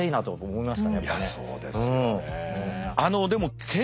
いやそうですよね。